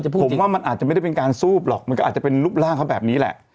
ผมว่ามันอาจจะไม่ได้เป็นการซูบหรอกมันก็อาจจะเป็นรูปร่างเขาแบบนี้แหละ